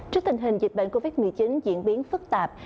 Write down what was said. trước tình hình dịch bệnh covid một mươi chín diễn biến phức tạp